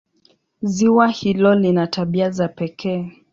Ziwa hilo lina tabia za pekee.